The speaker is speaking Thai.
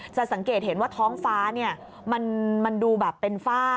สังเกตเห็นว่าท้องฟ้ามันดูแบบเป็นฝ้า